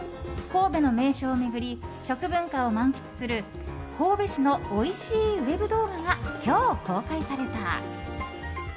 神戸の名所を巡り食文化を満喫する神戸市のおいしいウェブ動画が今日、公開された。